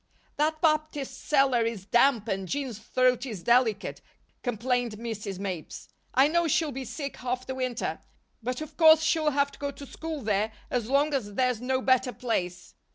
"That Baptist cellar is damp and Jean's throat is delicate," complained Mrs. Mapes. "I know she'll be sick half the winter; but of course she'll have to go to school there as long as there's no better place."